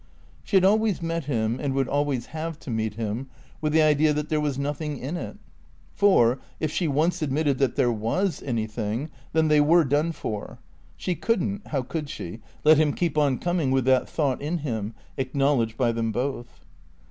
She had always met him, and would always have to meet him, with the idea that there was nothing in it; for, if she once admitted that there was anything, then they were done for. She couldn't (how could she?) let him keep on coming with that thought in him, acknowledged by them both.